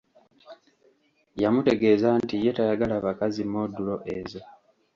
Yamutegeeza nti ye tayagala bakazi modulo ezo!